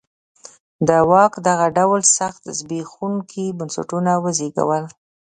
د واک دغه ډول سخت زبېښونکي بنسټونه وزېږول.